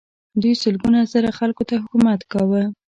دوی سلګونه زره خلکو ته حکومت کاوه.